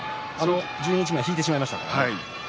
十二日目は引いてしまいましたからね。